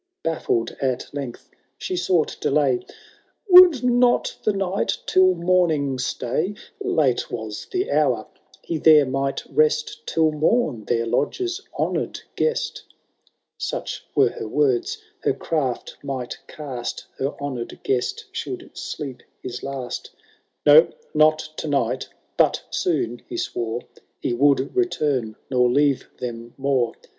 — Bafiled at length she sought delay :^ Would not the Knight tUl morning stay ? Late was the hour — ^he there might rest Till mom, their lodge's honour'd guest." Such were her words, — her craft might cast. Her honoured guest should sleep his last :*« No, not to night — ^but soon," he swore, « He would return, nor leave them more."